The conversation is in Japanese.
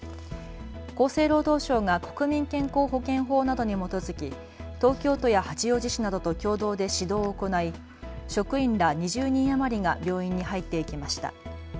厚生労働省が国民健康保険法などに基づき東京都や八王子市などと共同で指導を行い職員ら２０人余りが病院に入っていきました。